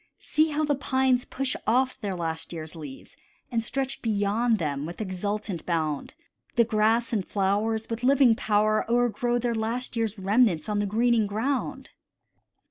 See how the pines push off their last year's leaves, And stretch beyond them with exultant bound: The grass and flowers, with living power, o'ergrow Their last year's remnants on the greening ground.